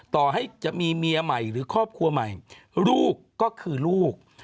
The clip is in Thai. ต่อให้จะมีเมียใหม่หรือครอบครัวใหม่ลูกก็คือลูก